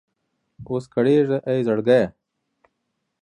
اوس کړېږه اې زړګيه!